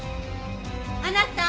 あなた！